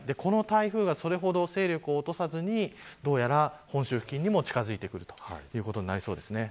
この台風がそれほど勢力を落とさずにどうやら本州付近にも近づいてくるということになりそうです。